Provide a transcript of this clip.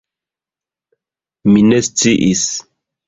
Mi ne sciis!